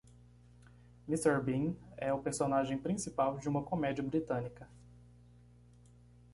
Mr. Bean é o personagem principal de uma comédia britânica.